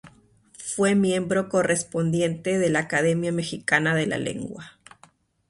Fue miembro correspondiente de la Academia Mexicana de la Lengua.